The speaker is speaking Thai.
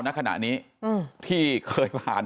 ณขณะนี้ที่เคยผ่าน